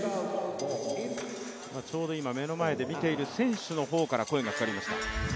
ちょうど今、見ている選手の方から声がかかりました。